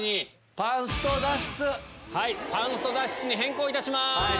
パンスト脱出に変更いたします。